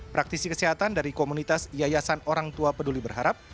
praktisi kesehatan dari komunitas yayasan orang tua peduli berharap